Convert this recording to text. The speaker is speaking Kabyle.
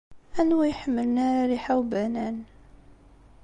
Anwa ur iḥemmlen ara rriḥa n ubanan?